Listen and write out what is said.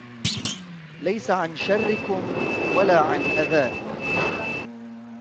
ليس عن شركم ولا عن أذاكم